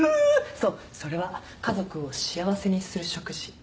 そうそれは家族を幸せにする食事。